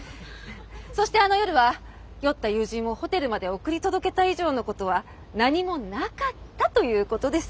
そしてあの夜は酔った友人をホテルまで送り届けた以上のことは何もなかったということです。